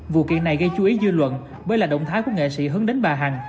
vụ kiện này gây chú ý dư luận bởi là động thái của nghệ sĩ hướng đến bà hằng